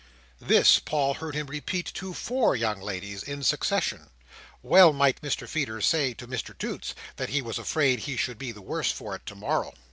This, Paul heard him repeat to four young ladies, in succession. Well might Mr Feeder say to Mr Toots, that he was afraid he should be the worse for it to morrow!